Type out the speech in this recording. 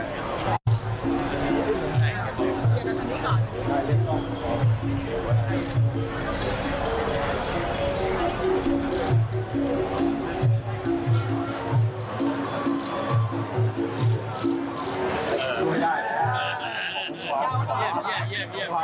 ได้ก็ยังไว้ก่อนยังไว้ก่อน